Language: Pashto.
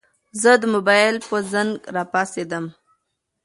زه د موبايل په زنګ راپاڅېدم.